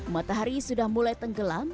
matahari sudah mulai tenggelam